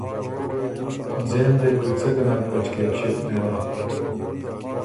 ځېم دې بو څۀ ګه نک بچکېک ݭیوک نېله۔